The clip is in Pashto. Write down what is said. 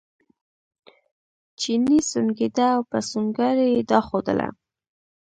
چیني سونګېده او په سونګاري یې دا ښودله.